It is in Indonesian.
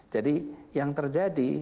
jadi yang terjadi